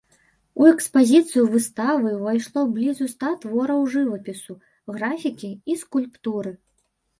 У экспазіцыю выставы ўвайшло блізу ста твораў жывапісу, графікі і скульптуры.